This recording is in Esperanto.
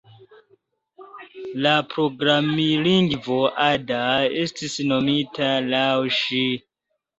La programlingvo Ada estis nomita laŭ ŝi.